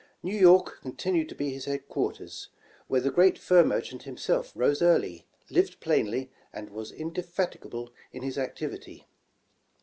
New York continued to be his headquarters, where the great fur merchant him self rose early, lived plainly, and was indefatigable in his activity.